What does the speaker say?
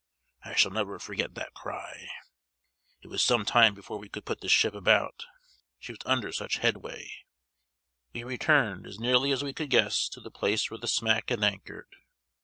I shall never forget that cry! It was some time before we could put the ship about, she was under such headway. We returned, as nearly as we could guess, to the place where the smack had anchored.